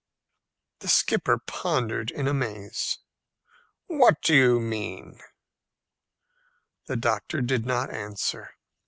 The skipper pondered in amaze. "What do you mean?" The doctor did not answer.